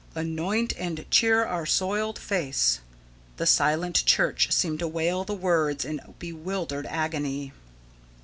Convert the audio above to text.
"ANOINT AND CHEER OUR SOILED FACE" The silent church seemed to wail the words in bewildered agony.